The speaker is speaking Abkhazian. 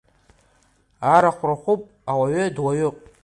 Арахә рахәуп, ауаҩы дуаҩуп.